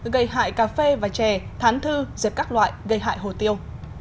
gây hại cà phê và chè thán thư dẹp các loại gây hại hồ tiêu